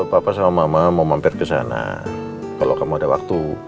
bapak sama mama mau mampir ke sana kalau kamu ada waktu